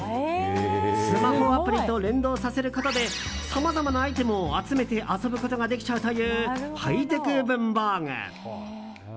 スマホアプリと連動させることでさまざまなアイテムを集めて遊ぶことができちゃうというハイテク文房具。